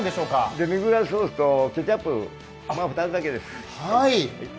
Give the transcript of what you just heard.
デミグラスソースとケチャップ、２つだけです。